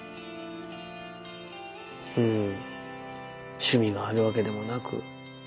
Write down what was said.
うん趣味があるわけでもなく。